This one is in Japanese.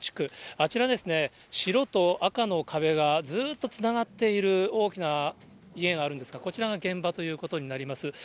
あちら、白と赤の壁がずっとつながっている大きな家があるんですが、こちらが現場ということになります。